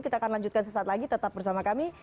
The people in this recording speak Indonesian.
kita akan lanjutkan sesaat lagi tetap bersama kami